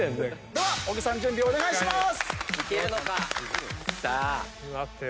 では小木さんお願いします！